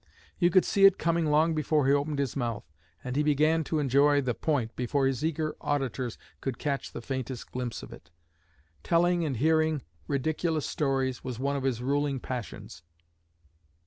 You could see it coming long before he opened his mouth, and he began to enjoy the 'point' before his eager auditors could catch the faintest glimpse of it. Telling and hearing ridiculous stories was one of his ruling passions."